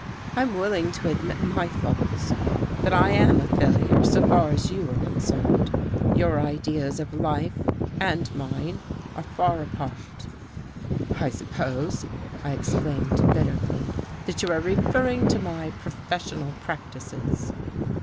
"I'm willing to admit my faults, that I am a failure so far as you are concerned. Your ideas of life and mine are far apart." "I suppose," I exclaimed bitterly, "that you are referring to my professional practices."